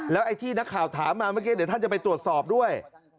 ไอ้ที่นักข่าวถามมาเมื่อกี้เดี๋ยวท่านจะไปตรวจสอบด้วย